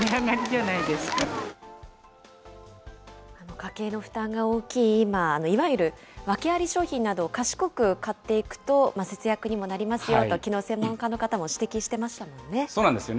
家計の負担が大きい今、いわゆる訳あり商品などを賢く買っていくと、節約にもなりますよと、きのう、専門家の方も指摘してましたもんそうなんですよね。